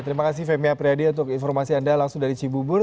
terima kasih femi apriyadi untuk informasi anda langsung dari cibubur